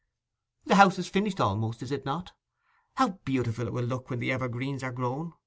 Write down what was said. The house is finished almost, is it not? How beautiful it will look when the evergreens are grown!